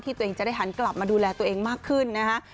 ตัวเองจะได้หันกลับมาดูแลตัวเองมากขึ้นนะฮะ